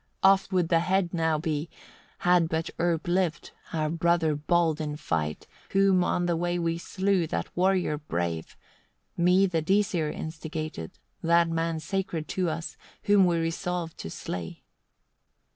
29. "Off would the head now be, had but Erp lived, our brother bold in fight, whom on the way we slew, that warrior brave me the Disir instigated that man sacred to us, whom we resolved to slay.